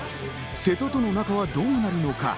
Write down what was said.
瀬戸との仲はどうなるのか？